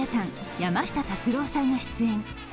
山下達郎さんが出演。